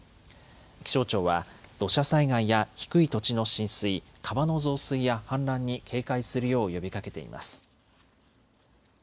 気象庁は土砂災害や低い土地の浸水、川の増水や氾濫に警戒するよう呼びかけています。